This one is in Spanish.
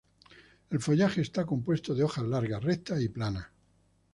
El follaje está compuesta de hojas largas, rectas y planas.